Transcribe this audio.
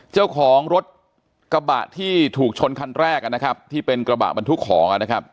เจ้าของรถกระบะที่ถูกชนคันแรกนะครับที่เป็นกระบะบรรทุกของนะครับ